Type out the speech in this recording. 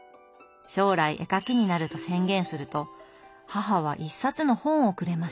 将来絵描きになると宣言すると母は一冊の本をくれました。